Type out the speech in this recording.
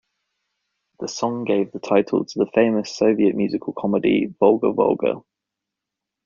The song gave the title to the famous Soviet musical comedy "Volga-Volga".